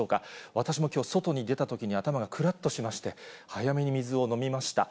私もきょう、外に出たときに頭がくらっとしまして、早めに水を飲みました。